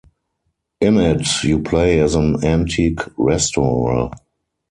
In it you play as an antique restorer.